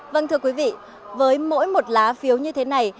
vâng thưa quý vị với mỗi một lá phiếu như thế này